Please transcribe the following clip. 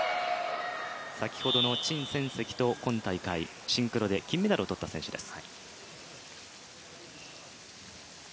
先ほどの陳芋汐と今大会シンクロで金メダルを取った選手です。